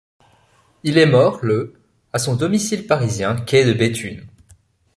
Il est mort le à son domicile parisien quai de Béthune.